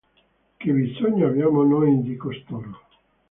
Che bisogno abbiamo noi di costoro?